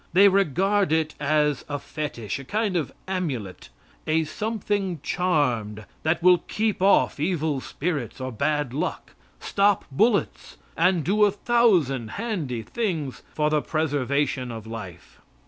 They regard it as a fetish a kind of amulet a something charmed, that will keep off evil spirits, or bad luck, stop bullets, and do a thousand handy things for the preservation of life.